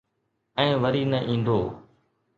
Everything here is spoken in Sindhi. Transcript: ۽ وري نه ايندو.